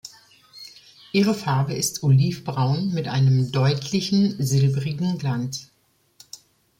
Ihre Farbe ist olivbraun mit einem deutlichen silbrigen Glanz.